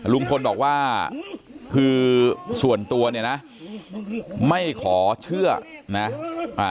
ลุงพลบอกว่าคือส่วนตัวเนี่ยนะไม่ขอเชื่อนะอ่า